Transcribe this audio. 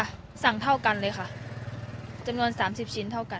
สั่งเท่ากันเลยค่ะจำนวนสามสิบชิ้นเท่ากัน